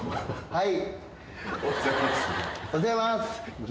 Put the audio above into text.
はい。